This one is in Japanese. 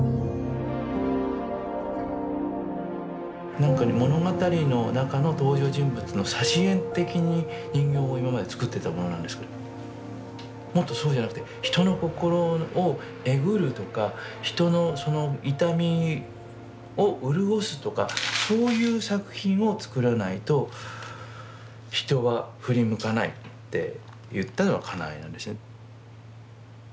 なんかね物語の中の登場人物の挿絵的に人形を今まで作ってたものなんですけどもっとそうじゃなくて人の心をえぐるとか人のその痛みを潤すとかそういう作品を作らないと人は振り向かないって言ったのは家内なんですね。